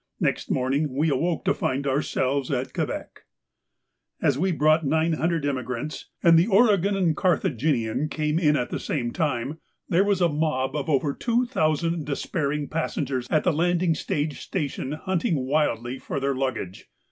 Next morning we awoke to find ourselves at Quebec. As we had brought nine hundred emigrants, and the 'Oregon' and 'Carthaginian' came in at the same time, there was a mob of over two thousand despairing passengers at the landing stage station hunting wildly for their luggage.